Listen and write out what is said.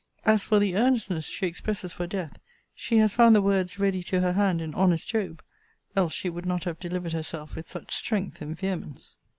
As for the earnestness she expresses for death, she has found the words ready to her hand in honest Job; else she would not have delivered herself with such strength and vehemence.